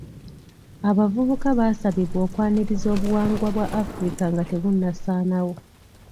Abavubuka baasabibwa okwaniriza obuwangwa bwa Africa nga tebunnasaanawo.